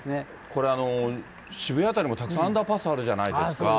これ、渋谷辺りもたくさんアンダーパスあるじゃないですか。